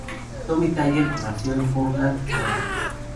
Tommy Thayer nació en Portland; Oregón.